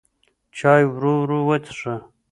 چای ورو ورو وڅښه.